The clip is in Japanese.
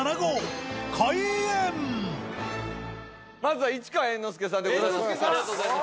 まずは市川猿之助さんでございます。